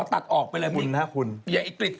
สวัสดีค่ะ